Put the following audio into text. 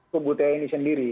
kebutiaan ini sendiri